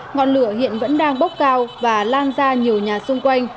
ngọn lửa hiện vẫn đang bốc cao và lan ra nhiều nhà xung quanh